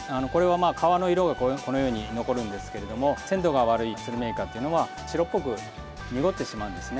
皮の色がこのように残るんですけれども鮮度が悪いスルメイカというのは白っぽく濁ってしまうんですね。